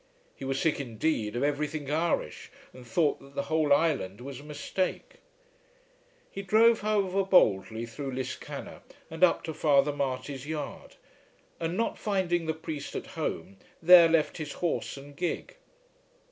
He was sick indeed, of everything Irish, and thought that the whole island was a mistake. He drove however boldly through Liscannor and up to Father Marty's yard, and, not finding the priest at home, there left his horse and gig.